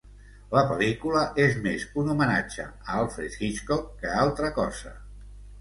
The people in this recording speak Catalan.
La pel·lícula és més un homenatge a Alfred Hitchcock que altra cosa.